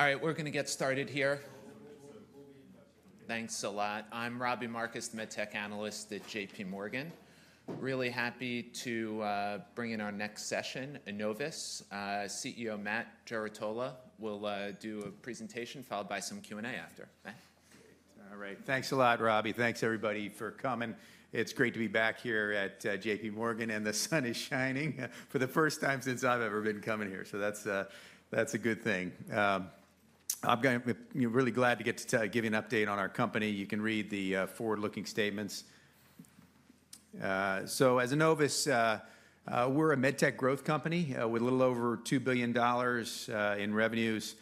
All right, we're going to get started here. Thanks a lot. I'm Robbie Marcus, MedTech Analyst at J.P. Morgan. Really happy to bring in our next session, Enovis. CEO Matt Trerotola will do a presentation followed by some Q&A after. Matt All right, thanks a lot, Robbie. Thanks, everybody, for coming. It's great to be back here at JPMorgan, and the sun is shining for the first time since I've ever been coming here, so that's a good thing. I'm really glad to give you an update on our company. You can read the forward-looking statements. So, as Enovis, we're a MedTech growth company with a little over $2 billion in revenues,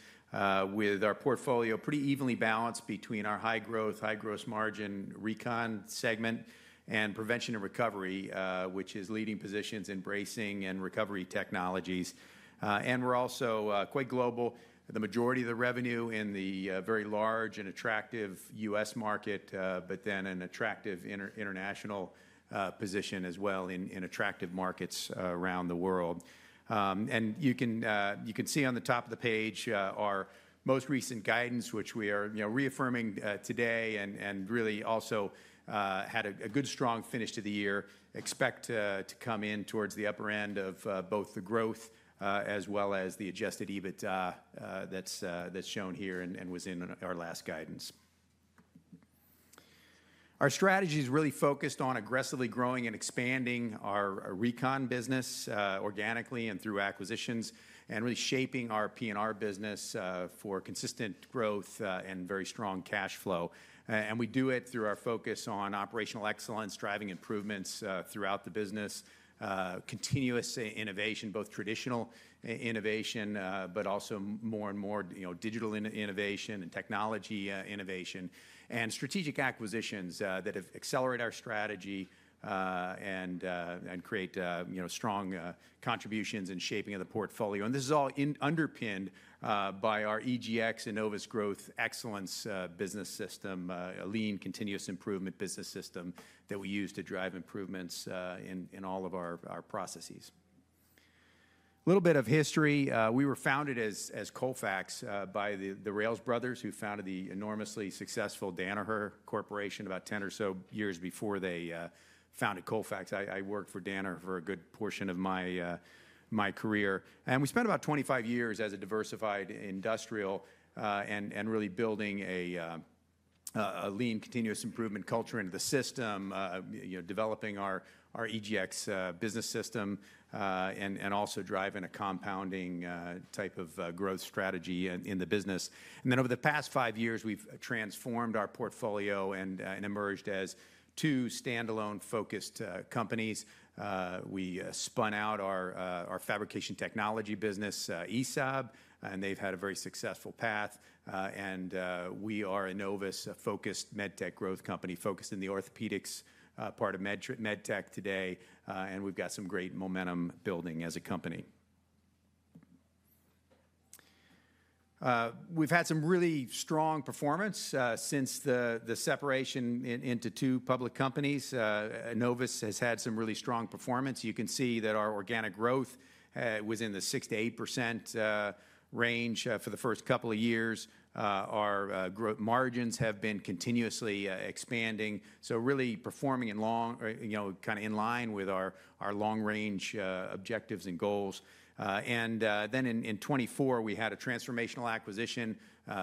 with our portfolio pretty evenly balanced between our high growth, high gross margin recon segment, and prevention and recovery, which is leading positions in bracing and recovery technologies. And we're also quite global. The majority of the revenue in the very large and attractive U.S. market, but then an attractive international position as well in attractive markets around the world. You can see on the top of the page our most recent guidance, which we are reaffirming today and really also had a good, strong finish to the year. Expect to come in towards the upper end of both the growth as well as the adjusted EBIT that's shown here and was in our last guidance. Our strategy is really focused on aggressively growing and expanding our recon business organically and through acquisitions, and really shaping our P&R business for consistent growth and very strong cash flow. We do it through our focus on operational excellence, driving improvements throughout the business, continuous innovation, both traditional innovation, but also more and more digital innovation and technology innovation, and strategic acquisitions that accelerate our strategy and create strong contributions in shaping of the portfolio. This is all underpinned by our EGX Enovis Growth Excellence Business System, a lean, continuous improvement business system that we use to drive improvements in all of our processes. A little bit of history. We were founded as Colfax by the Rales brothers, who founded the enormously successful Danaher Corporation about 10 or so years before they founded Colfax. I worked for Danaher for a good portion of my career. We spent about 25 years as a diversified industrial and really building a lean, continuous improvement culture into the system, developing our EGX business system, and also driving a compounding type of growth strategy in the business. Then over the past five years, we've transformed our portfolio and emerged as two standalone-focused companies. We spun out our fabrication technology business, ESAB, and they've had a very successful path. And we are Enovis, a focused MedTech growth company focused in the orthopedics part of MedTech today, and we've got some great momentum building as a company. We've had some really strong performance since the separation into two public companies. Enovis has had some really strong performance. You can see that our organic growth was in the 6%-8% range for the first couple of years. Our margins have been continuously expanding, so really performing in kind of in line with our long-range objectives and goals. And then in 2024, we had a transformational acquisition.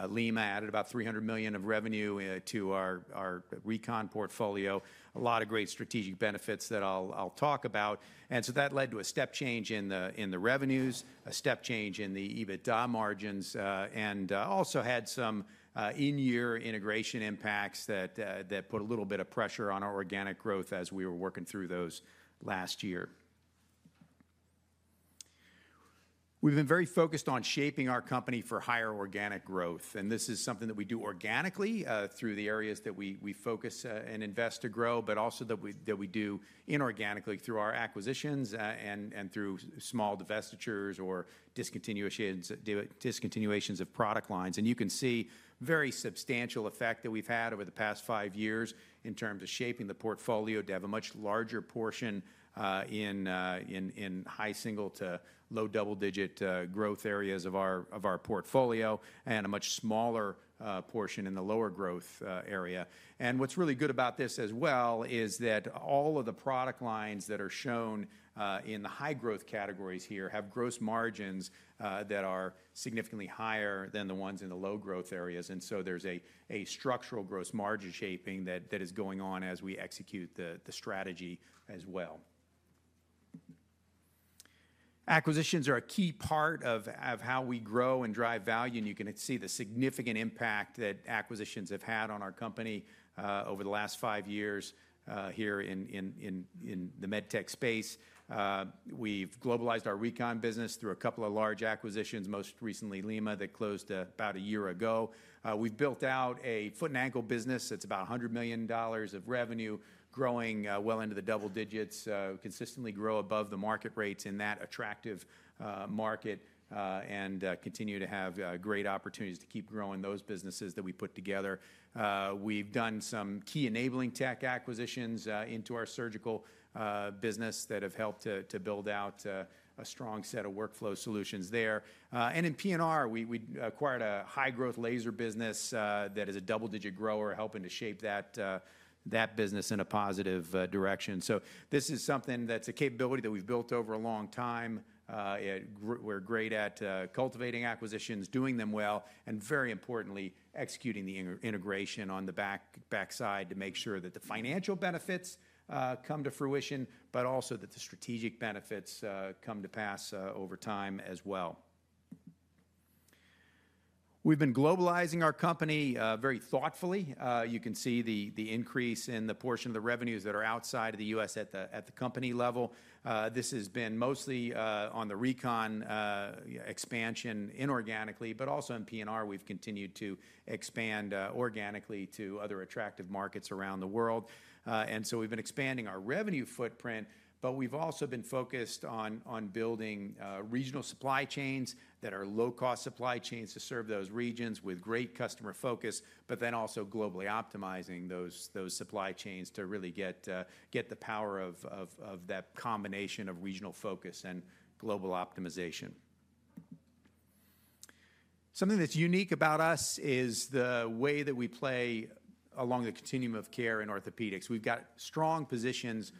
Lima added about $300 million of revenue to our recon portfolio. A lot of great strategic benefits that I'll talk about. That led to a step change in the revenues, a step change in the EBITDA margins, and also had some in-year integration impacts that put a little bit of pressure on our organic growth as we were working through those last year. We've been very focused on shaping our company for higher organic growth, and this is something that we do organically through the areas that we focus and invest to grow, but also that we do inorganically through our acquisitions and through small divestitures or discontinuations of product lines. You can see very substantial effect that we've had over the past five years in terms of shaping the portfolio to have a much larger portion in high single-digit to low double-digit growth areas of our portfolio and a much smaller portion in the lower growth area. What's really good about this as well is that all of the product lines that are shown in the high growth categories here have gross margins that are significantly higher than the ones in the low growth areas. There's a structural gross margin shaping that is going on as we execute the strategy as well. Acquisitions are a key part of how we grow and drive value, and you can see the significant impact that acquisitions have had on our company over the last five years here in the MedTech space. We've globalized our recon business through a couple of large acquisitions, most recently Lima that closed about a year ago. We've built out a foot and ankle business that's about $100 million of revenue, growing well into the double digits, consistently grow above the market rates in that attractive market, and continue to have great opportunities to keep growing those businesses that we put together. We've done some key enabling tech acquisitions into our surgical business that have helped to build out a strong set of workflow solutions there, and in P&R, we acquired a high-growth laser business that is a double-digit grower, helping to shape that business in a positive direction, so this is something that's a capability that we've built over a long time. We're great at cultivating acquisitions, doing them well, and very importantly, executing the integration on the backside to make sure that the financial benefits come to fruition, but also that the strategic benefits come to pass over time as well. We've been globalizing our company very thoughtfully. You can see the increase in the portion of the revenues that are outside of the U.S. at the company level. This has been mostly on the Recon expansion inorganically, but also in P&R, we've continued to expand organically to other attractive markets around the world. And so we've been expanding our revenue footprint, but we've also been focused on building regional supply chains that are low-cost supply chains to serve those regions with great customer focus, but then also globally optimizing those supply chains to really get the power of that combination of regional focus and global optimization. Something that's unique about us is the way that we play along the continuum of care in orthopedics. We've got strong positions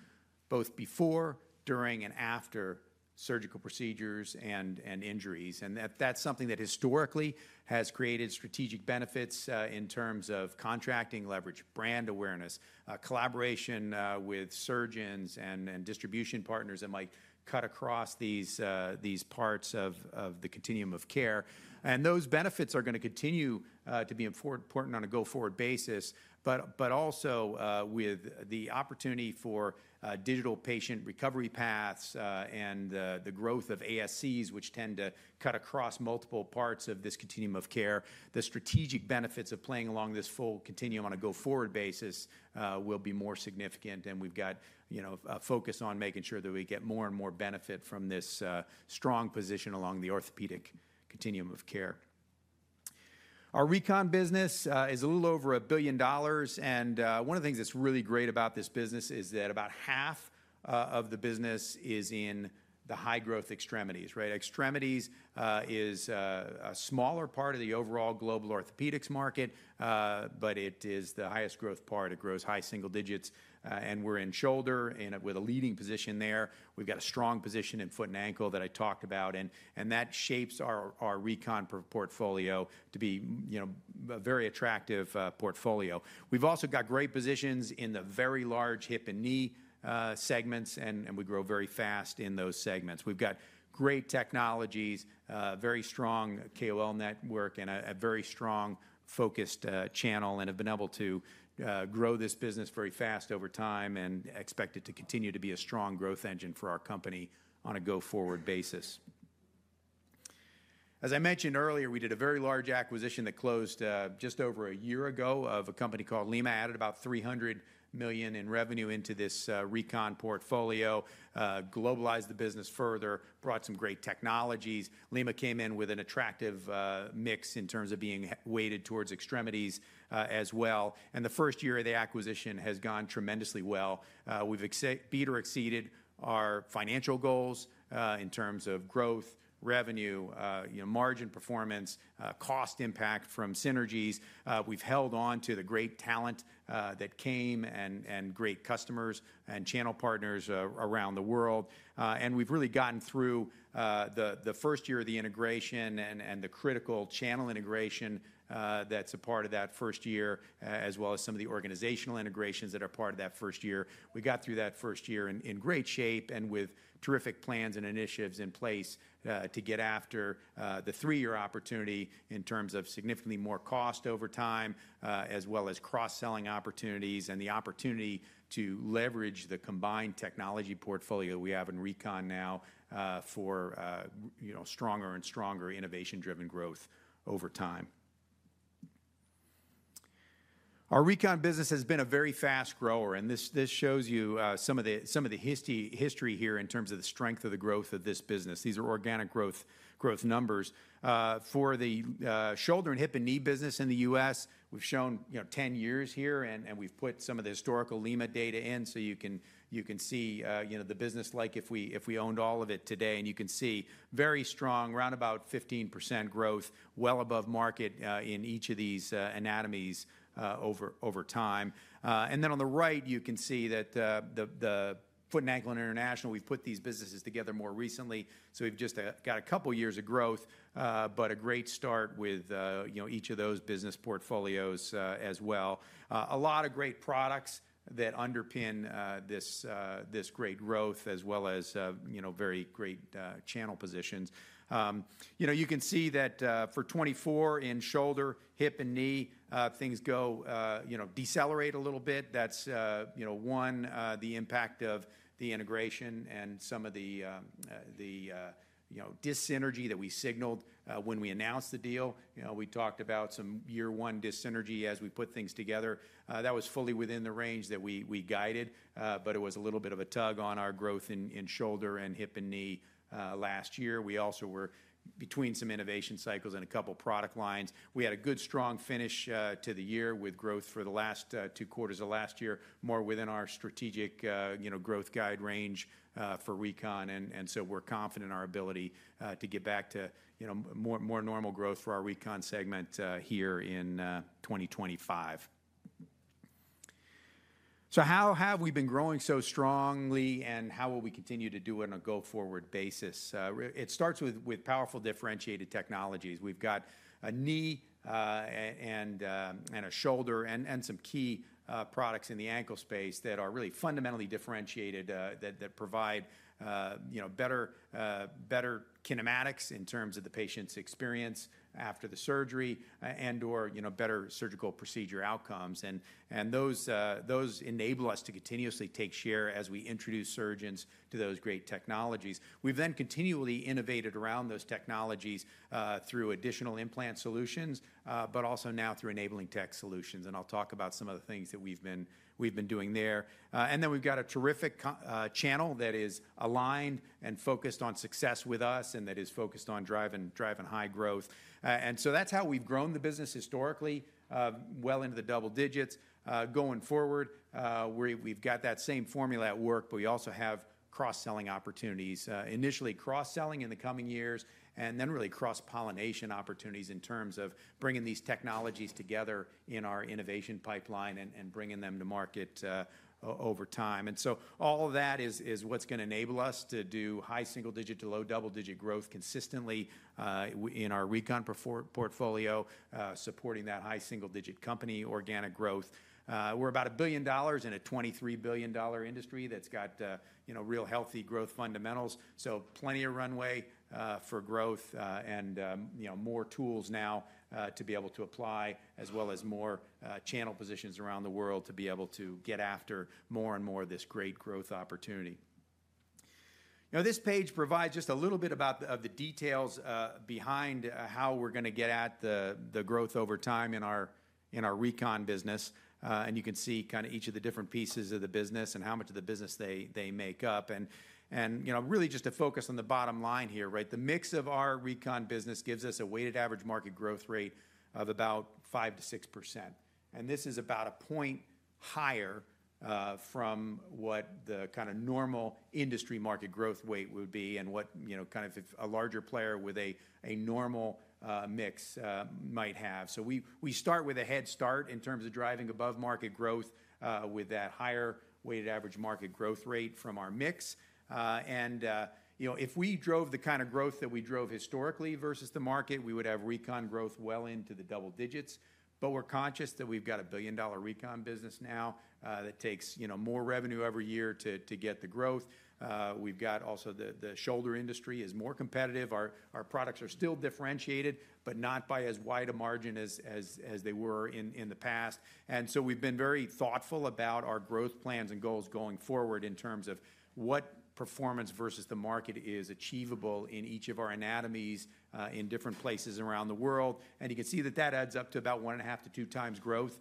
both before, during, and after surgical procedures and injuries. And that's something that historically has created strategic benefits in terms of contracting, leveraged brand awareness, collaboration with surgeons and distribution partners that might cut across these parts of the continuum of care. And those benefits are going to continue to be important on a go-forward basis, but also with the opportunity for digital patient recovery paths and the growth of ASCs, which tend to cut across multiple parts of this continuum of care. The strategic benefits of playing along this full continuum on a go-forward basis will be more significant, and we've got a focus on making sure that we get more and more benefit from this strong position along the orthopedic continuum of care. Our recon business is a little over $1 billion, and one of the things that's really great about this business is that about half of the business is in the high-growth extremities. Extremities is a smaller part of the overall global orthopedics market, but it is the highest growth part. It grows high single digits, and we're in shoulder with a leading position there. We've got a strong position in foot and ankle that I talked about, and that shapes our Recon portfolio to be a very attractive portfolio. We've also got great positions in the very large hip and knee segments, and we grow very fast in those segments. We've got great technologies, very strong KOL network, and a very strong focused channel, and have been able to grow this business very fast over time and expect it to continue to be a strong growth engine for our company on a go-forward basis. As I mentioned earlier, we did a very large acquisition that closed just over a year ago of a company called Lima. Added about $300 million in revenue into this recon portfolio, globalized the business further, brought some great technologies. Lima came in with an attractive mix in terms of being weighted towards extremities as well. And the first year of the acquisition has gone tremendously well. We've beat or exceeded our financial goals in terms of growth, revenue, margin performance, cost impact from synergies. We've held on to the great talent that came and great customers and channel partners around the world. And we've really gotten through the first year of the integration and the critical channel integration that's a part of that first year, as well as some of the organizational integrations that are part of that first year. We got through that first year in great shape and with terrific plans and initiatives in place to get after the three-year opportunity in terms of significantly more cost over time, as well as cross-selling opportunities and the opportunity to leverage the combined technology portfolio we have in recon now for stronger and stronger innovation-driven growth over time. Our recon business has been a very fast grower, and this shows you some of the history here in terms of the strength of the growth of this business. These are organic growth numbers. For the shoulder and hip and knee business in the U.S., we've shown 10 years here, and we've put some of the historical Lima data in so you can see the business like if we owned all of it today. You can see very strong, around about 15% growth, well above market in each of these anatomies over time. Then on the right, you can see that the foot and ankle and international, we've put these businesses together more recently, so we've just got a couple of years of growth, but a great start with each of those business portfolios as well. A lot of great products that underpin this great growth, as well as very great channel positions. You can see that for 2024, in shoulder, hip, and knee, things decelerate a little bit. That's one, the impact of the integration and some of the dyssynergy that we signaled when we announced the deal. We talked about some year-one dyssynergy as we put things together. That was fully within the range that we guided, but it was a little bit of a tug on our growth in shoulder and hip and knee last year. We also were between some innovation cycles and a couple of product lines. We had a good, strong finish to the year with growth for the last two quarters of last year, more within our strategic growth guide range for recon, and so we're confident in our ability to get back to more normal growth for our recon segment here in 2025. So how have we been growing so strongly, and how will we continue to do it on a go-forward basis? It starts with powerful differentiated technologies. We've got a knee and a shoulder and some key products in the ankle space that are really fundamentally differentiated, that provide better kinematics in terms of the patient's experience after the surgery and/or better surgical procedure outcomes, and those enable us to continuously take share as we introduce surgeons to those great technologies. We've then continually innovated around those technologies through additional implant solutions, but also now through enabling tech solutions, and I'll talk about some of the things that we've been doing there, and then we've got a terrific channel that is aligned and focused on success with us and that is focused on driving high growth, and so that's how we've grown the business historically, well into the double digits. Going forward, we've got that same formula at work, but we also have cross-selling opportunities, initially cross-selling in the coming years, and then really cross-pollination opportunities in terms of bringing these technologies together in our innovation pipeline and bringing them to market over time. And so all of that is what's going to enable us to do high single-digit to low double-digit growth consistently in our Recon portfolio, supporting that high single-digit company organic growth. We're about $1 billion in a $23 billion industry that's got real healthy growth fundamentals, so plenty of runway for growth and more tools now to be able to apply, as well as more channel positions around the world to be able to get after more and more of this great growth opportunity. This page provides just a little bit of the details behind how we're going to get at the growth over time in our Recon business. And you can see kind of each of the different pieces of the business and how much of the business they make up. And really just to focus on the bottom line here, the mix of our Recon business gives us a weighted average market growth rate of about 5%-6%. And this is about a point higher from what the kind of normal industry market growth rate would be and what kind of a larger player with a normal mix might have. So we start with a head start in terms of driving above market growth with that higher weighted average market growth rate from our mix. And if we drove the kind of growth that we drove historically versus the market, we would have Recon growth well into the double digits. But we're conscious that we've got a $1 billion Recon business now that takes more revenue every year to get the growth. We've got also the shoulder industry is more competitive. Our products are still differentiated, but not by as wide a margin as they were in the past. And so we've been very thoughtful about our growth plans and goals going forward in terms of what performance versus the market is achievable in each of our anatomies in different places around the world. And you can see that that adds up to about one and a half to two times growth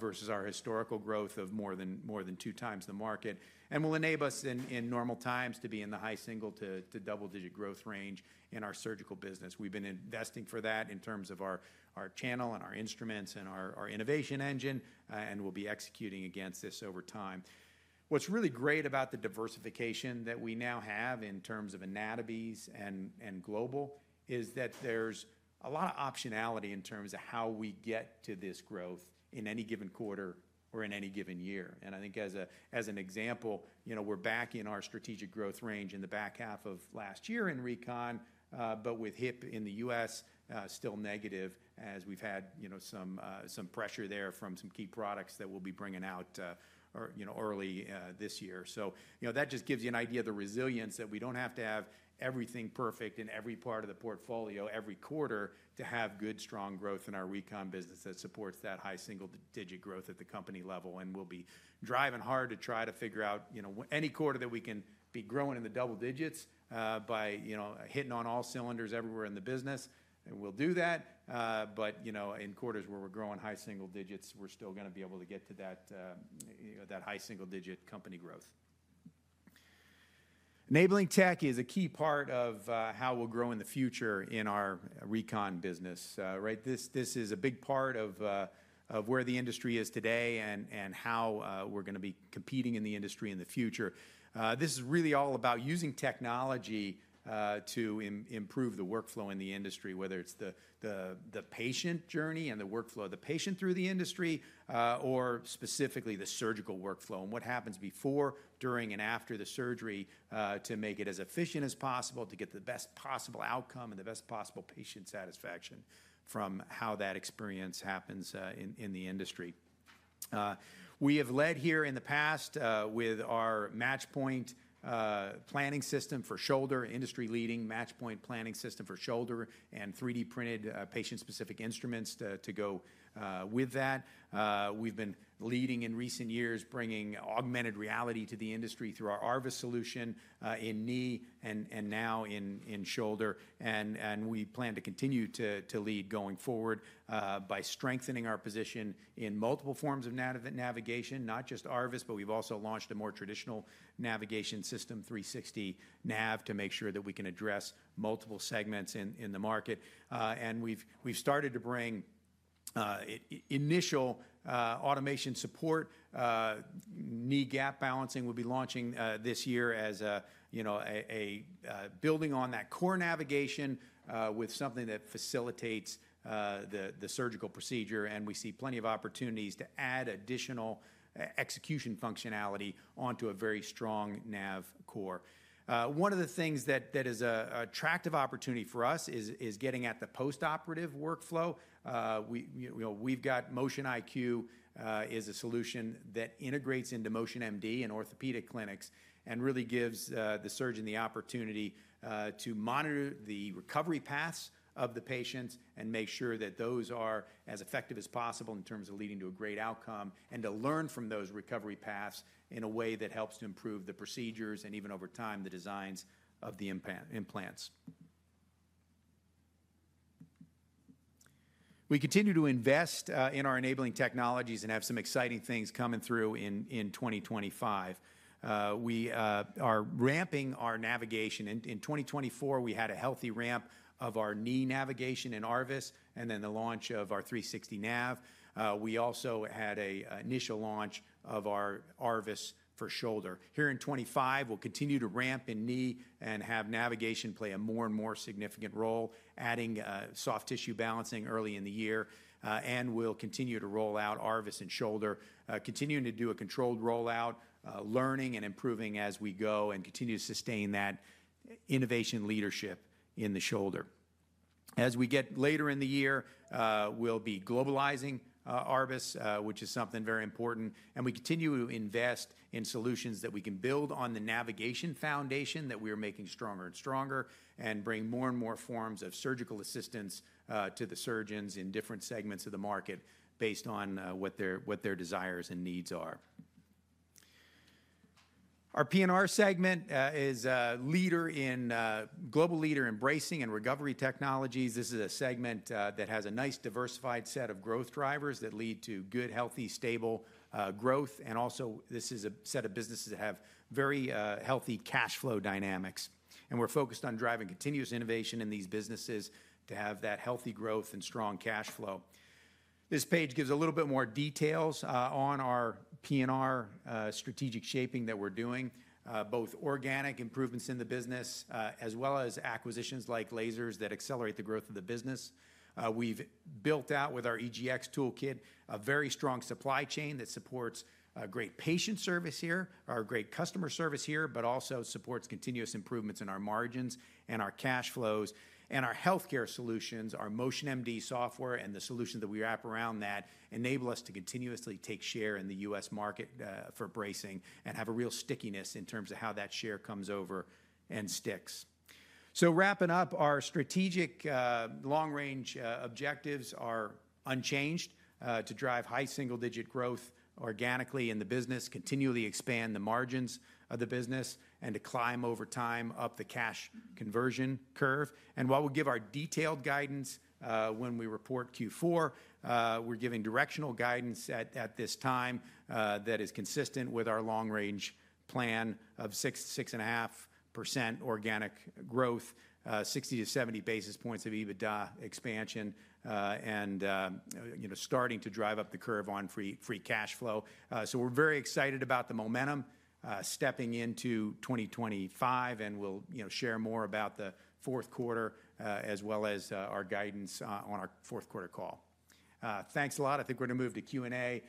versus our historical growth of more than two times the market. And will enable us in normal times to be in the high single- to double-digit growth range in our surgical business. We've been investing for that in terms of our channel and our instruments and our innovation engine, and we'll be executing against this over time. What's really great about the diversification that we now have in terms of anatomies and global is that there's a lot of optionality in terms of how we get to this growth in any given quarter or in any given year. And I think as an example, we're back in our strategic growth range in the back half of last year in Recon, but with hip in the U.S. still negative as we've had some pressure there from some key products that we'll be bringing out early this year. So that just gives you an idea of the resilience that we don't have to have everything perfect in every part of the portfolio every quarter to have good, strong growth in our recon business that supports that high single-digit growth at the company level. And we'll be driving hard to try to figure out any quarter that we can be growing in the double digits by hitting on all cylinders everywhere in the business. And we'll do that. But in quarters where we're growing high single digits, we're still going to be able to get to that high single-digit company growth. Enabling tech is a key part of how we'll grow in the future in our recon business. This is a big part of where the industry is today and how we're going to be competing in the industry in the future. This is really all about using technology to improve the workflow in the industry, whether it's the patient journey and the workflow of the patient through the industry or specifically the surgical workflow and what happens before, during, and after the surgery to make it as efficient as possible to get the best possible outcome and the best possible patient satisfaction from how that experience happens in the industry. We have led here in the past with our Match Point Planning System for shoulder, industry-leading Match Point Planning System for shoulder and 3D-printed patient-specific instruments to go with that. We've been leading in recent years bringing augmented reality to the industry through our ARVIS solution in knee and now in shoulder. And we plan to continue to lead going forward by strengthening our position in multiple forms of navigation, not just ARVIS, but we've also launched a more traditional navigation system, 360 Nav, to make sure that we can address multiple segments in the market. And we've started to bring initial automation support, knee gap balancing. We'll be launching this year as a building on that core navigation with something that facilitates the surgical procedure. And we see plenty of opportunities to add additional execution functionality onto a very strong nav core. One of the things that is an attractive opportunity for us is getting at the post-operative workflow. We've got Motion iQ as a solution that integrates into MotionMD and orthopedic clinics and really gives the surgeon the opportunity to monitor the recovery paths of the patients and make sure that those are as effective as possible in terms of leading to a great outcome and to learn from those recovery paths in a way that helps to improve the procedures and even over time the designs of the implants. We continue to invest in our enabling technologies and have some exciting things coming through in 2025. We are ramping our navigation. In 2024, we had a healthy ramp of our knee navigation in ARVIS and then the launch of our 360 Nav. We also had an initial launch of our ARVIS for shoulder. Here in 2025, we'll continue to ramp in knee and have navigation play a more and more significant role, adding soft tissue balancing early in the year. We'll continue to roll out ARVIS in shoulder, continuing to do a controlled rollout, learning and improving as we go and continue to sustain that innovation leadership in the shoulder. As we get later in the year, we'll be globalizing ARVIS, which is something very important. We continue to invest in solutions that we can build on the navigation foundation that we are making stronger and stronger and bring more and more forms of surgical assistance to the surgeons in different segments of the market based on what their desires and needs are. Our P&R segment is global leader embracing and recovery technologies. This is a segment that has a nice diversified set of growth drivers that lead to good, healthy, stable growth. And also, this is a set of businesses that have very healthy cash flow dynamics. And we're focused on driving continuous innovation in these businesses to have that healthy growth and strong cash flow. This page gives a little bit more details on our P&R strategic shaping that we're doing, both organic improvements in the business as well as acquisitions like Lima's that accelerate the growth of the business. We've built out with our EGX toolkit a very strong supply chain that supports great patient service here, our great customer service here, but also supports continuous improvements in our margins and our cash flows. And our healthcare solutions, our MotionMD software and the solutions that we wrap around that enable us to continuously take share in the U.S. market for bracing and have a real stickiness in terms of how that share comes over and sticks. So wrapping up, our strategic long-range objectives are unchanged to drive high single-digit growth organically in the business, continually expand the margins of the business, and to climb over time up the cash conversion curve. And while we'll give our detailed guidance when we report Q4, we're giving directional guidance at this time that is consistent with our long-range plan of 6%-6.5% organic growth, 60-70 basis points of EBITDA expansion, and starting to drive up the curve on free cash flow. So we're very excited about the momentum stepping into 2025, and we'll share more about the fourth quarter as well as our guidance on our fourth quarter call. Thanks a lot. I think we're going to move to Q&A.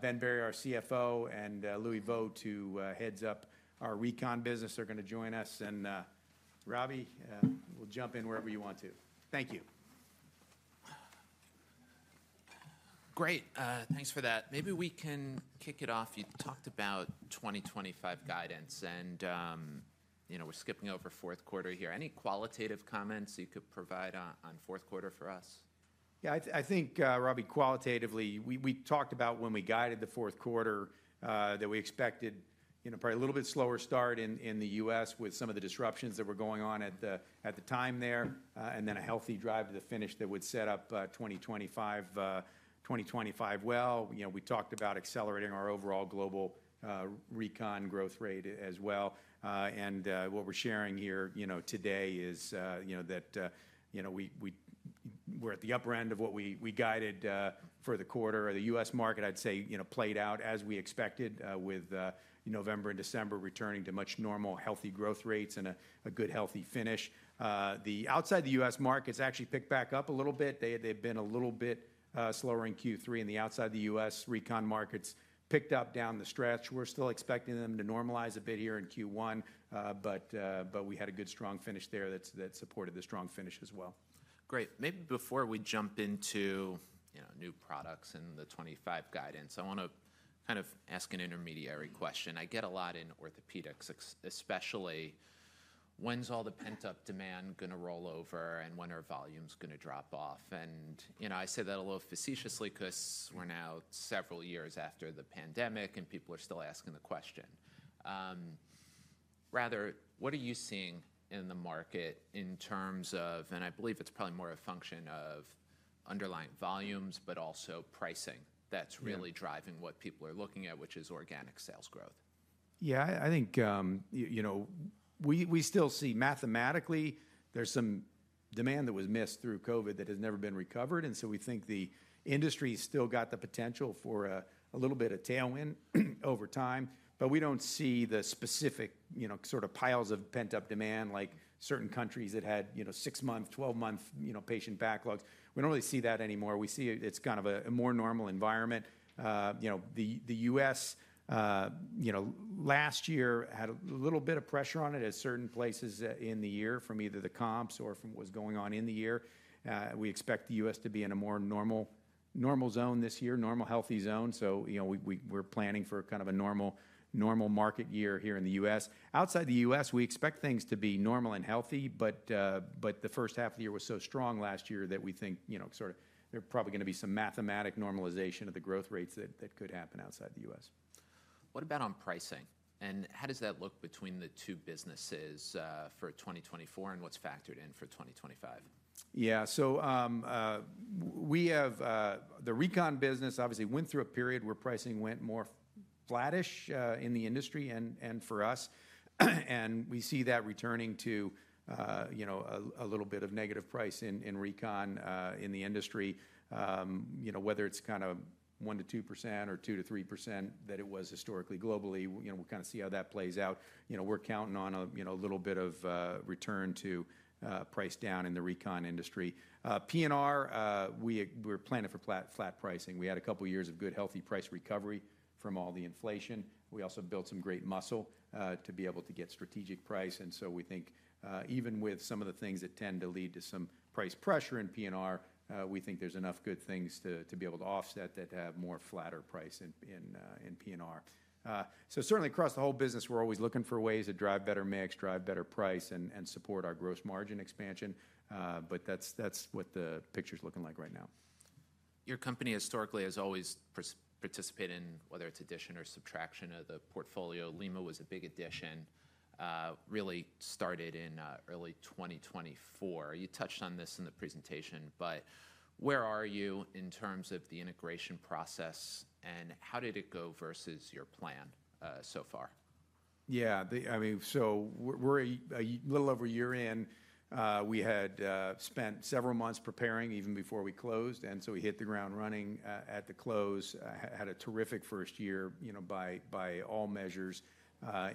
Ben Berry, our CFO, and Louie Vogt who heads up our Recon business. They're going to join us. Robbie, we'll jump in wherever you want to. Thank you. Great. Thanks for that. Maybe we can kick it off. You talked about 2025 guidance, and we're skipping over fourth quarter here. Any qualitative comments you could provide on fourth quarter for us? Yeah, I think, Robbie, qualitatively, we talked about when we guided the fourth quarter that we expected probably a little bit slower start in the U.S. with some of the disruptions that were going on at the time there, and then a healthy drive to the finish that would set up 2025 well. We talked about accelerating our overall global recon growth rate as well. And what we're sharing here today is that we're at the upper end of what we guided for the quarter. The U.S. market, I'd say, played out as we expected with November and December returning to much normal healthy growth rates and a good healthy finish. The outside of the U.S. markets actually picked back up a little bit. They've been a little bit slower in Q3. And the outside of the U.S. recon markets picked up down the stretch. We're still expecting them to normalize a bit here in Q1, but we had a good strong finish there that supported the strong finish as well. Great. Maybe before we jump into new products and the 2025 guidance, I want to kind of ask an intermediary question. I get a lot in orthopedics, especially, when's all the pent-up demand going to roll over and when are volumes going to drop off? And I say that a little facetiously because we're now several years after the pandemic and people are still asking the question. Rather, what are you seeing in the market in terms of, and I believe it's probably more a function of underlying volumes, but also pricing that's really driving what people are looking at, which is organic sales growth? Yeah, I think we still see mathematically there's some demand that was missed through COVID that has never been recovered. And so we think the industry still got the potential for a little bit of tailwind over time. But we don't see the specific sort of piles of pent-up demand like certain countries that had six-month, 12-month patient backlogs. We don't really see that anymore. We see it's kind of a more normal environment. The U.S. last year had a little bit of pressure on it at certain places in the year from either the comps or from what was going on in the year. We expect the U.S. to be in a more normal zone this year, normal healthy zone. So we're planning for kind of a normal market year here in the U.S. Outside the U.S., we expect things to be normal and healthy, but the first half of the year was so strong last year that we think sort of there's probably going to be some mathematical normalization of the growth rates that could happen outside the U.S. What about on pricing? And how does that look between the two businesses for 2024 and what's factored in for 2025? Yeah, so we have the recon business obviously went through a period where pricing went more flattish in the industry and for us. And we see that returning to a little bit of negative price in recon in the industry, whether it's kind of 1%-2% or 2%-3% that it was historically globally. We'll kind of see how that plays out. We're counting on a little bit of return to price down in the recon industry. P&R, we were planning for flat pricing. We had a couple of years of good healthy price recovery from all the inflation. We also built some great muscle to be able to get strategic price. And so we think even with some of the things that tend to lead to some price pressure in P&R, we think there's enough good things to be able to offset that have more flatter price in P&R. So certainly across the whole business, we're always looking for ways to drive better mix, drive better price, and support our gross margin expansion. But that's what the picture's looking like right now. Your company historically has always participated in, whether it's addition or subtraction of the portfolio. Lima was a big addition, really started in early 2024. You touched on this in the presentation, but where are you in terms of the integration process and how did it go versus your plan so far? Yeah, I mean, so we're a little over a year in. We had spent several months preparing even before we closed, and so we hit the ground running at the close, had a terrific first year by all measures,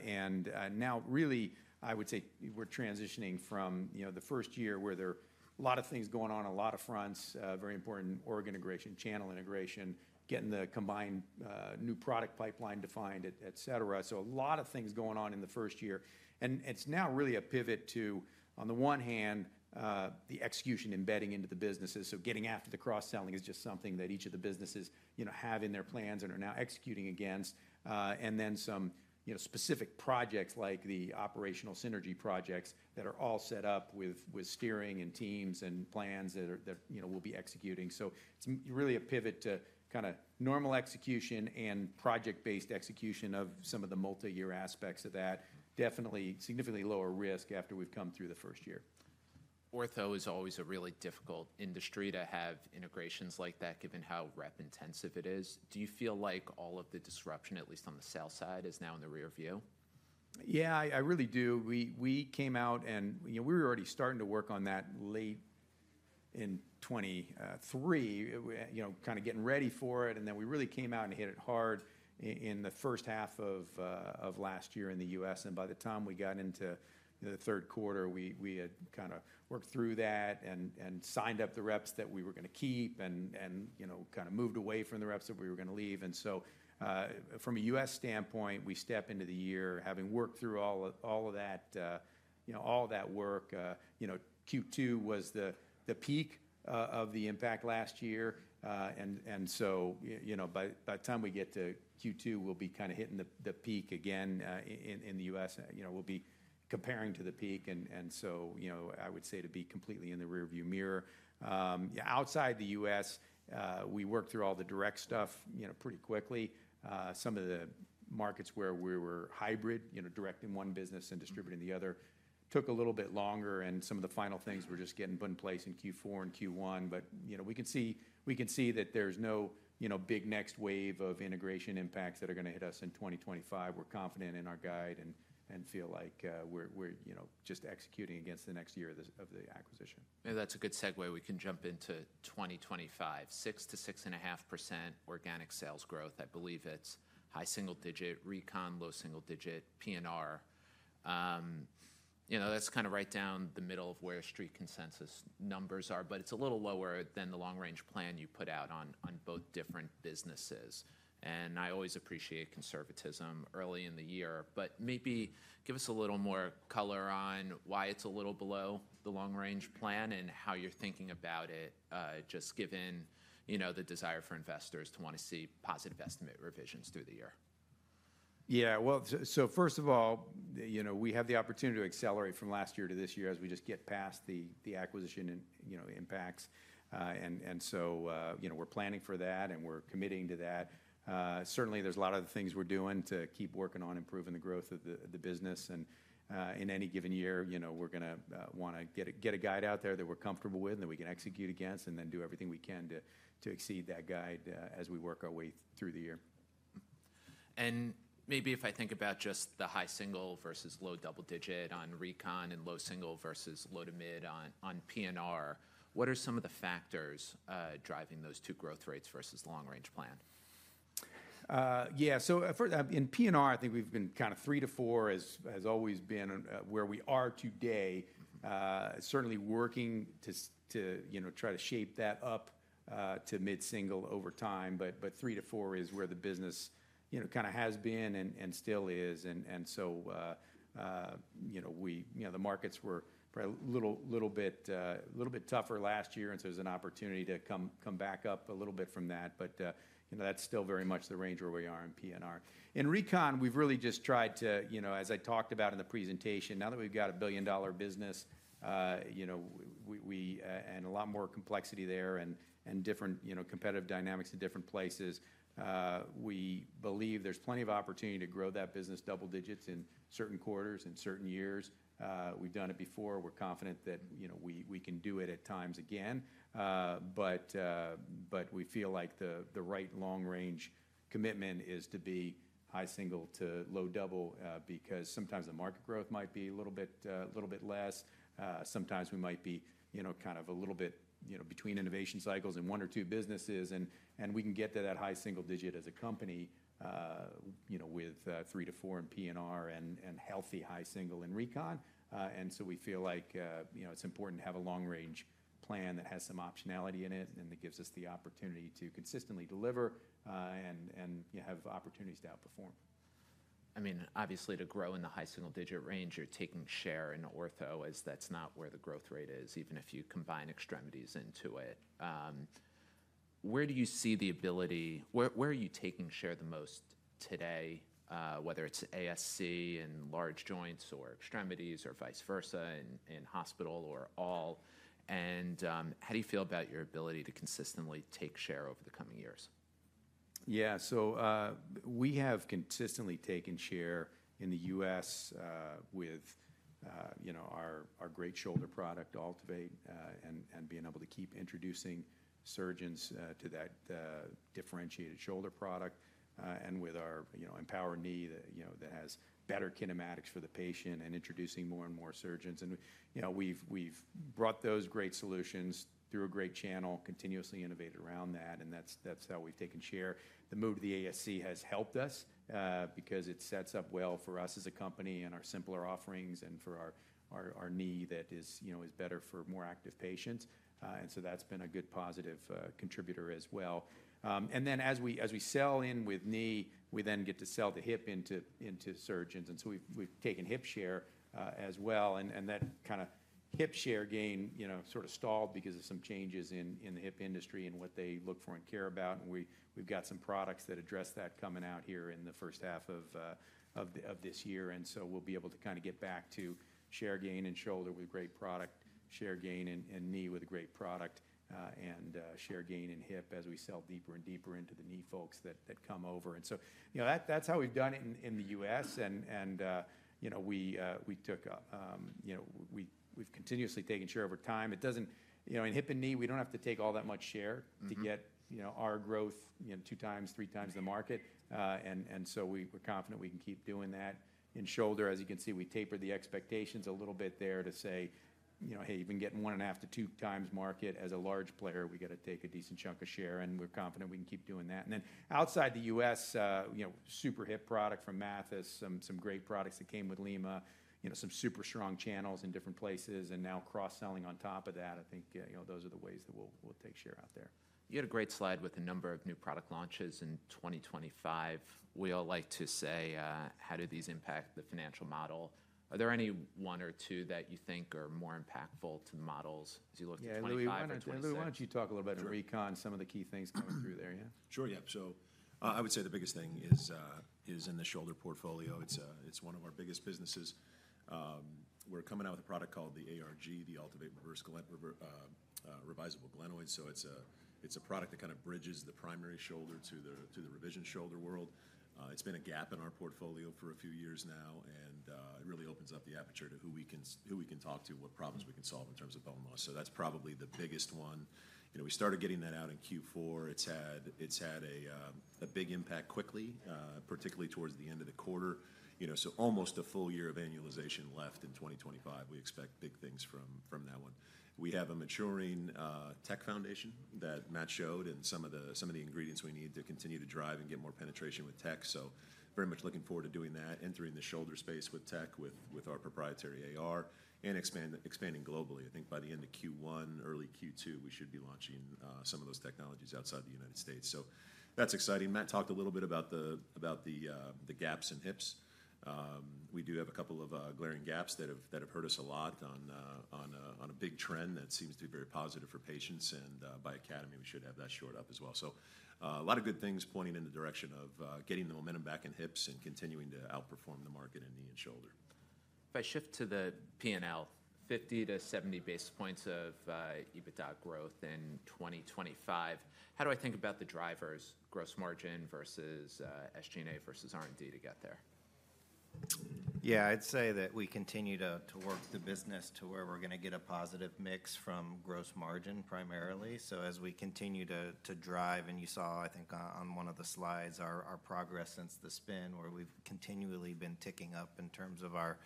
and now really, I would say we're transitioning from the first year where there are a lot of things going on, a lot of fronts, very important ongoing integration, channel integration, getting the combined new product pipeline defined, et cetera. So a lot of things going on in the first year, and it's now really a pivot to, on the one hand, the execution embedding into the businesses, so getting after the cross-selling is just something that each of the businesses have in their plans and are now executing against. And then some specific projects like the operational synergy projects that are all set up with steering and teams and plans that we'll be executing. So it's really a pivot to kind of normal execution and project-based execution of some of the multi-year aspects of that. Definitely significantly lower risk after we've come through the first year. Ortho is always a really difficult industry to have integrations like that given how rep-intensive it is. Do you feel like all of the disruption, at least on the sell side, is now in the rearview? Yeah, I really do. We came out and we were already starting to work on that late in 2023, kind of getting ready for it. And then we really came out and hit it hard in the first half of last year in the U.S. And by the time we got into the third quarter, we had kind of worked through that and signed up the reps that we were going to keep and kind of moved away from the reps that we were going to leave. And so from a U.S. standpoint, we step into the year having worked through all of that, all that work. Q2 was the peak of the impact last year. And so by the time we get to Q2, we'll be kind of hitting the peak again in the U.S. We'll be comparing to the peak. I would say to be completely in the rearview mirror. Outside the U.S., we worked through all the direct stuff pretty quickly. Some of the markets where we were hybrid, direct in one business and distributing the other, took a little bit longer. Some of the final things were just getting put in place in Q4 and Q1. We can see that there's no big next wave of integration impacts that are going to hit us in 2025. We're confident in our guide and feel like we're just executing against the next year of the acquisition. Maybe that's a good segue. We can jump into 2025. 6%-6.5% organic sales growth, I believe it's high single digit, Recon low single digit, P&R. That's kind of right down the middle of where street consensus numbers are, but it's a little lower than the long-range plan you put out on both different businesses. And I always appreciate conservatism early in the year, but maybe give us a little more color on why it's a little below the long-range plan and how you're thinking about it, just given the desire for investors to want to see positive estimate revisions through the year. Yeah, well, so first of all, we have the opportunity to accelerate from last year to this year as we just get past the acquisition impacts, and so we're planning for that and we're committing to that. Certainly, there's a lot of things we're doing to keep working on improving the growth of the business, and in any given year, we're going to want to get a guide out there that we're comfortable with and that we can execute against and then do everything we can to exceed that guide as we work our way through the year. Maybe if I think about just the high single versus low double digit on recon and low single versus low to mid on P&R, what are some of the factors driving those two growth rates versus long-range plan? Yeah, so in P&R, I think we've been kind of three to four has always been where we are today, certainly working to try to shape that up to mid single over time. But three to four is where the business kind of has been and still is. And so the markets were a little bit tougher last year, and so there's an opportunity to come back up a little bit from that. But that's still very much the range where we are in P&R. In Recon, we've really just tried to, as I talked about in the presentation, now that we've got a $1 billion business and a lot more complexity there and different competitive dynamics in different places, we believe there's plenty of opportunity to grow that business double digits in certain quarters and certain years. We've done it before. We're confident that we can do it at times again. But we feel like the right long-range commitment is to be high single- to low double-digit because sometimes the market growth might be a little bit less. Sometimes we might be kind of a little bit between innovation cycles in one or two businesses. And we can get to that high single-digit as a company with three- to four- in P&R and healthy high single- in Recon. And so we feel like it's important to have a long-range plan that has some optionality in it and that gives us the opportunity to consistently deliver and have opportunities to outperform. I mean, obviously to grow in the high single digit range, you're taking share in Ortho as that's not where the growth rate is, even if you combine extremities into it. Where do you see the ability? Where are you taking share the most today, whether it's ASC and large joints or extremities or vice versa in hospital or all? And how do you feel about your ability to consistently take share over the coming years? Yeah, so we have consistently taken share in the U.S. with our great shoulder product, AltiVate, and being able to keep introducing surgeons to that differentiated shoulder product and with our EMPOWR Knee that has better kinematics for the patient and introducing more and more surgeons. And we've brought those great solutions through a great channel, continuously innovated around that, and that's how we've taken share. The move to the ASC has helped us because it sets up well for us as a company and our simpler offerings and for our knee that is better for more active patients. And so that's been a good positive contributor as well. And then as we sell in with knee, we then get to sell the hip into surgeons. And so we've taken hip share as well. And that kind of hip share gain sort of stalled because of some changes in the hip industry and what they look for and care about. And we've got some products that address that coming out here in the first half of this year. And so we'll be able to kind of get back to share gain in shoulder with great product, share gain in knee with a great product, and share gain in hip as we sell deeper and deeper into the knee folks that come over. And so that's how we've done it in the U.S. And we've continuously taken share over time. In hip and knee, we don't have to take all that much share to get our growth two times, three times the market. And so we're confident we can keep doing that. In shoulder, as you can see, we tapered the expectations a little bit there to say, "Hey, you've been getting one and a half to two times market as a large player. We got to take a decent chunk of share," and we're confident we can keep doing that, and then outside the U.S., super hip product from Mathys, some great products that came with Lima, some super strong channels in different places, and now cross-selling on top of that. I think those are the ways that we'll take share out there. You had a great slide with a number of new product launches in 2025. We all like to say, "How do these impact the financial model?" Are there any one or two that you think are more impactful to the models as you look to 2025 and 2026? Yeah, Lou, why don't you talk a little bit about recon and some of the key things coming through there, yeah? Sure, yeah. So I would say the biggest thing is in the shoulder portfolio. It's one of our biggest businesses. We're coming out with a product called the ARG, the AltiVate Reverse Revisable Glenoid. So it's a product that kind of bridges the primary shoulder to the revision shoulder world. It's been a gap in our portfolio for a few years now, and it really opens up the aperture to who we can talk to, what problems we can solve in terms of bone loss. So that's probably the biggest one. We started getting that out in Q4. It's had a big impact quickly, particularly towards the end of the quarter. So almost a full year of annualization left in 2025. We expect big things from that one. We have a maturing tech foundation that Matt showed and some of the ingredients we need to continue to drive and get more penetration with tech. So very much looking forward to doing that, entering the shoulder space with tech with our proprietary AR and expanding globally. I think by the end of Q1, early Q2, we should be launching some of those technologies outside the United States. So that's exciting. Matt talked a little bit about the gaps in hips. We do have a couple of glaring gaps that have hurt us a lot on a big trend that seems to be very positive for patients. And by end of year, we should have that shored up as well. So a lot of good things pointing in the direction of getting the momentum back in hips and continuing to outperform the market in knee and shoulder. If I shift to the P&L, 50-70 basis points of EBITDA growth in 2025, how do I think about the drivers, gross margin versus SG&A versus R&D to get there? Yeah, I'd say that we continue to work the business to where we're going to get a positive mix from gross margin primarily. So as we continue to drive, and you saw, I think on one of the slides, our progress since the spin where we've continually been ticking up in terms of our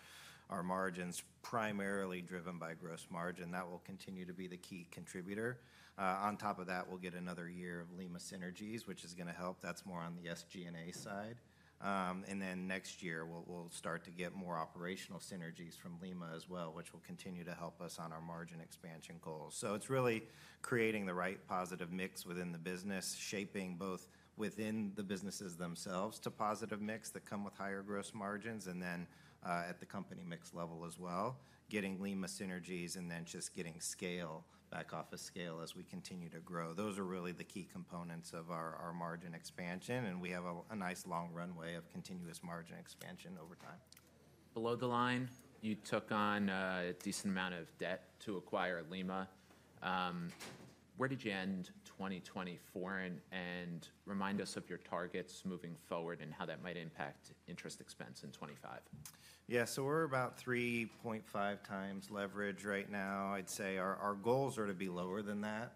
margins primarily driven by gross margin, that will continue to be the key contributor. On top of that, we'll get another year of Lima synergies, which is going to help. That's more on the SG&A side. And then next year, we'll start to get more operational synergies from Lima as well, which will continue to help us on our margin expansion goals. So it's really creating the right positive mix within the business, shaping both within the businesses themselves to positive mix that come with higher gross margins and then at the company mix level as well, getting Lima synergies and then just getting scale back off of scale as we continue to grow. Those are really the key components of our margin expansion. And we have a nice long runway of continuous margin expansion over time. Below the line, you took on a decent amount of debt to acquire Lima. Where did you end 2024? And remind us of your targets moving forward and how that might impact interest expense in 2025. Yeah, so we're about 3.5 times leverage right now. I'd say our goals are to be lower than that.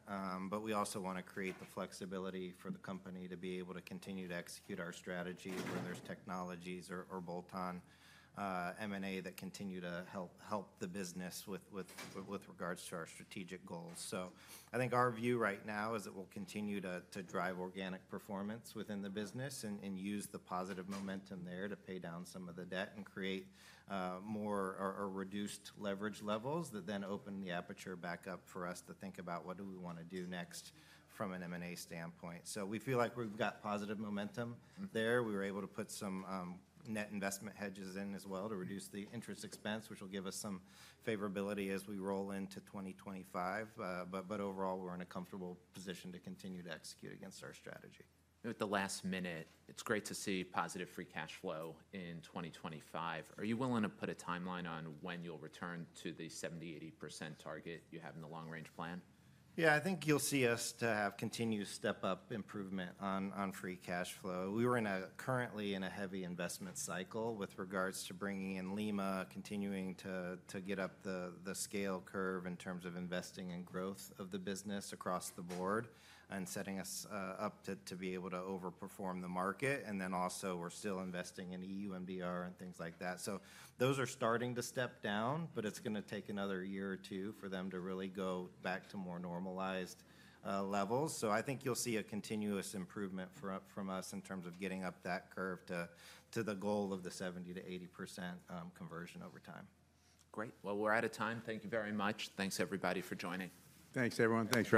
But we also want to create the flexibility for the company to be able to continue to execute our strategy where there's technologies or bolt-on M&A that continue to help the business with regards to our strategic goals. So I think our view right now is that we'll continue to drive organic performance within the business and use the positive momentum there to pay down some of the debt and create more or reduced leverage levels that then open the aperture back up for us to think about what do we want to do next from an M&A standpoint. So we feel like we've got positive momentum there. We were able to put some net investment hedges in as well to reduce the interest expense, which will give us some favorability as we roll into 2025, but overall, we're in a comfortable position to continue to execute against our strategy. With the last minute, it's great to see positive free cash flow in 2025. Are you willing to put a timeline on when you'll return to the 70%-80% target you have in the long-range plan? Yeah, I think you'll see us to have continued step-up improvement on free cash flow. We were currently in a heavy investment cycle with regards to bringing in Lima, continuing to get up the scale curve in terms of investing in growth of the business across the board and setting us up to be able to overperform the market. And then also we're still investing in EU MDR and things like that. So those are starting to step down, but it's going to take another year or two for them to really go back to more normalized levels. So I think you'll see a continuous improvement from us in terms of getting up that curve to the goal of the 70%-80% conversion over time. Great. Well, we're out of time. Thank you very much. Thanks, everybody, for joining. Thanks, everyone. Thanks,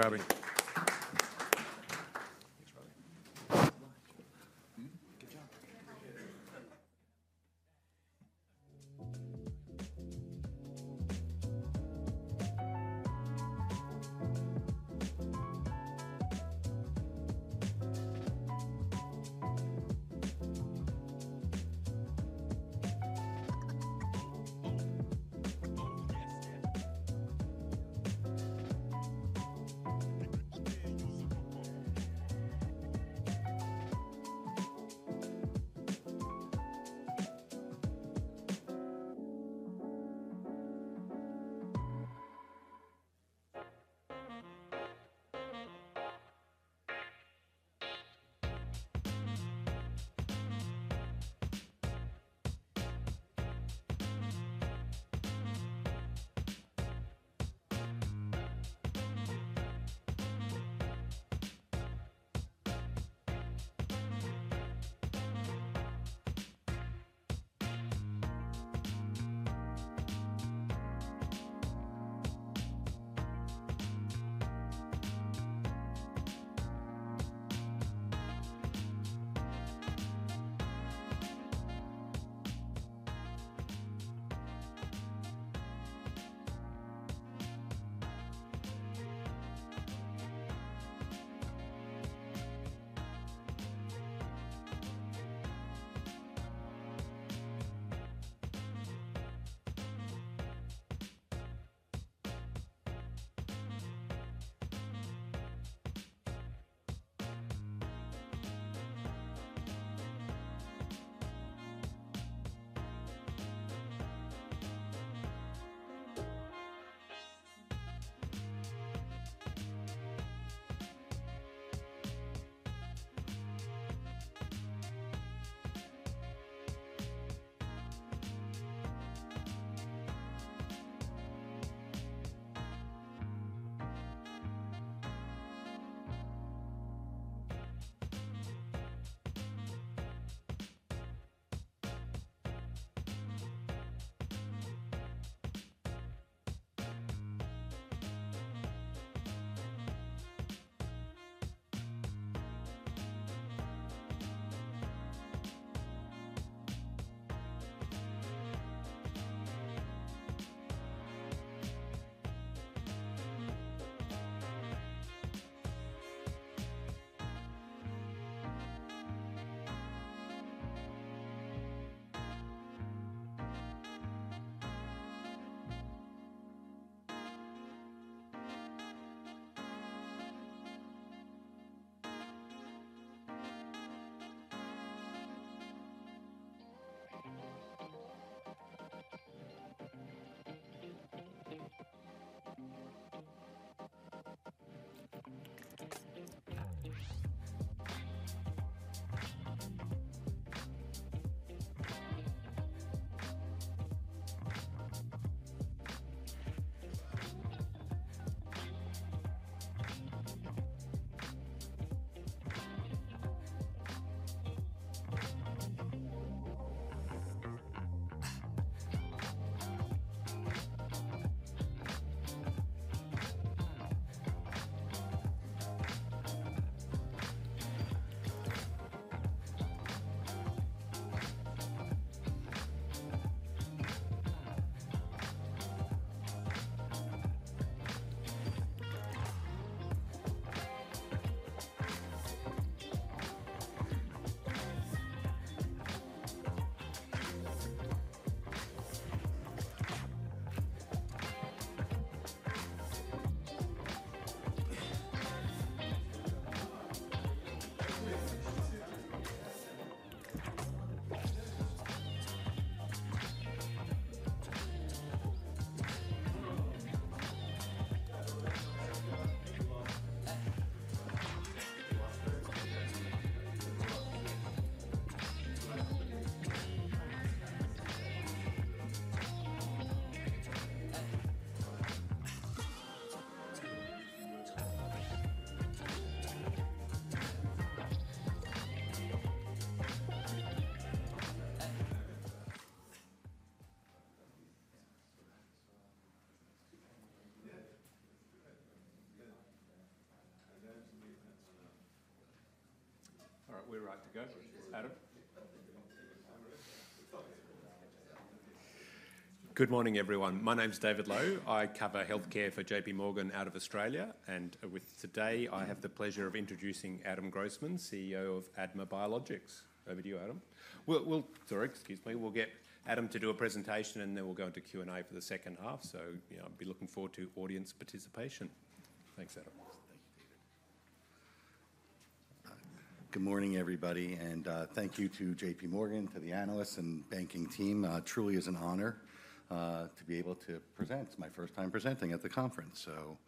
Robbie. All right, we're ready to go. Adam? Good morning, everyone. My name's David Low. I cover healthcare for J.P. Morgan out of Australia. And with us today, I have the pleasure of introducing Adam Grossman, CEO of ADMA Biologics. Over to you, Adam. Sorry, excuse me. We'll get Adam to do a presentation, and then we'll go into Q&A for the second half. So I'll be looking forward to audience participation. Thanks, Adam. Thank you, David. Good morning, everybody. And thank you to J.P. Morgan, to the analysts and banking team. Truly, it is an honor to be able to present. It's my first time presenting at the conference, so.